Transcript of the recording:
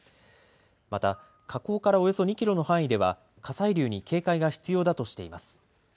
また、火口からおよそ２キロの範囲では火砕流に警戒が必要だとしています。